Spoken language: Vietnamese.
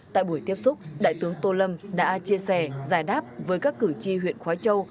tại buổi tiếp xúc đại tướng tô lâm đã chia sẻ giải đáp với các cử tri huyện khói châu